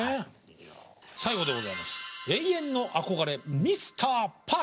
最後でございます出た！